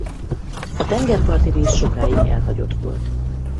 A tengerparti rész sokáig elhagyott volt.